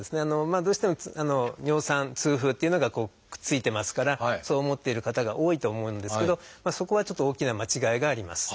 まあどうしても尿酸痛風っていうのがくっついてますからそう思っている方が多いと思うんですけどそこはちょっと大きな間違いがあります。